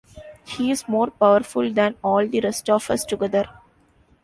He is more powerful than all the rest of us together.